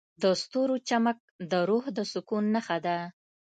د ستورو چمک د روح د سکون نښه ده.